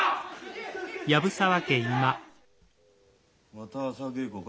また朝稽古か？